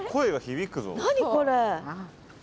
何これ？